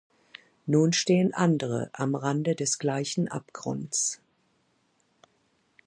Nun stehen andere am Rande des gleichen Abgrunds.